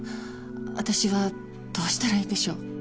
私はどうしたらいいでしょう？